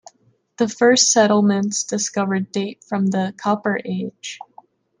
The first settlements discovered date from the Copper Age.